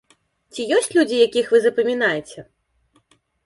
Ці ёсць людзі, якіх вы запамінаеце?